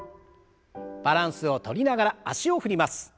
バランスをとりながら脚を振ります。